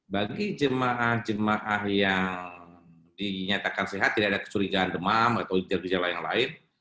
bagi jemaah jemaah yang dinyatakan sehat tidak ada kecurigaan demam atau gejala yang lain